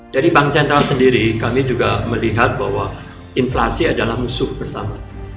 dari bank sentral sendiri kami juga melihat bahwa inflasi adalah musuh bersama